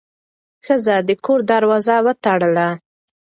ښځه د کور دروازه وتړله.